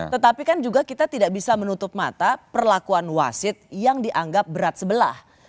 tetapi kan juga kita tidak bisa menutup mata perlakuan wasit yang dianggap berat sebelah